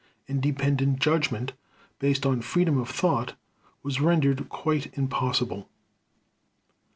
Independent judgment, based on freedom of thought, was rendered quite impossible.